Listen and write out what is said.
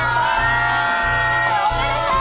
おめでとう！